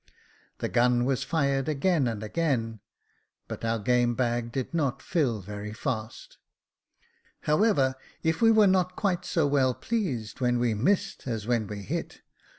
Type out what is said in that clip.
The gun was fired again and again ; but our game bag did not fill very fast. However, if we were not quite so well pleased when we missed as when we hit.